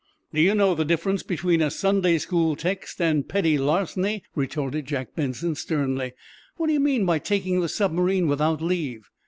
"Do you know the difference between a Sunday school text and petty larceny?" retorted Jack Benson, sternly. "What do you mean by taking the submarine without leave?"